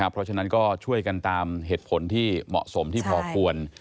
เพราะฉะนั้นก็ช่วยกันตามเหตุผลที่เหมาะสมที่พอควร